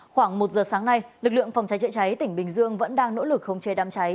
khoảng một giờ sáng nay lực lượng phòng cháy chữa cháy tỉnh bình dương vẫn đang nỗ lực không chế đám cháy